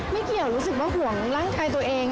ไม่เกี่ยวรู้สึกว่าห่วงร่างกายตัวเอง